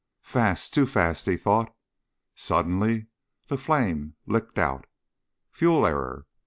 Fast ... too fast, he thought. Suddenly the flame licked out. Fuel error.